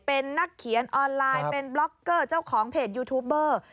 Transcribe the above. เป็นนักเขียนออนไลน์เป็นบล็อกเกอร์เจ้าของเพจยูทูบเบอร์